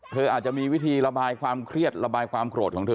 อาจจะมีวิธีระบายความเครียดระบายความโกรธของเธอ